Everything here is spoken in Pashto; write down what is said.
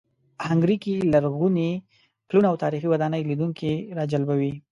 هنګري کې لرغوني پلونه او تاریخي ودانۍ لیدونکي راجلبوي.